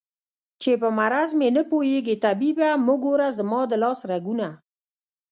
چې په مرض مې نه پوهېږې طبيبه مه ګوره زما د لاس رګونه